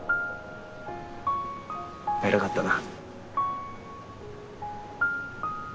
偉かったな。